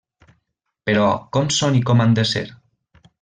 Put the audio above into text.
Però com són i com han de ser?